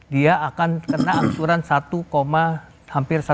dia akan kena angsuran satu hampir satu